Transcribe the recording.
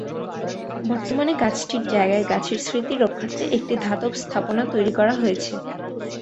বর্তমানে গাছটির জায়গায় গাছের স্মৃতি রক্ষার্থে একটি ধাতব স্থাপনা তৈরি করা হয়েছে।